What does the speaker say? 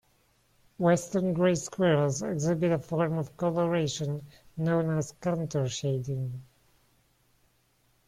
Western gray squirrels exhibit a form of coloration known as counter shading.